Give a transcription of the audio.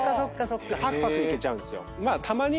ぱくぱくいけちゃうんですよ。